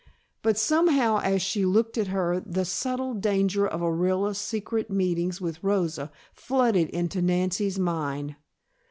But somehow as she looked at her, the subtle danger of Orilla's secret meetings with Rosa flooded into Nancy's mind.